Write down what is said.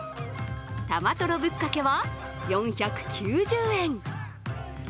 玉とろぶっかけは４９０円。